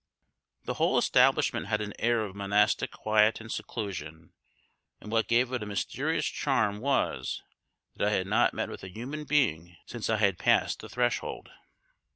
The whole establishment had an air of monastic quiet and seclusion, and what gave it a mysterious charm was, that I had not met with a human being since I had passed the threshold.